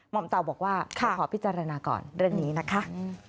อมเตาบอกว่าขอพิจารณาก่อนเรื่องนี้นะคะ